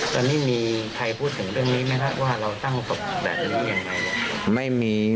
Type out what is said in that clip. ตอนนี้มีใครพูดถึงเรื่องนี้ไหมครับ